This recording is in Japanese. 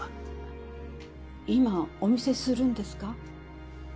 今お見せするんですか？